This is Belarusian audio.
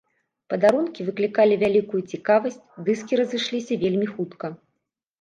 Падарункі выклікалі вялікую цікавасць, дыскі разышліся вельмі хутка.